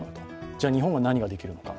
じゃあ、日本は何ができるのか。